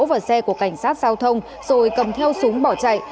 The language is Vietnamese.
vào xe của cảnh sát giao thông rồi cầm theo súng bỏ chạy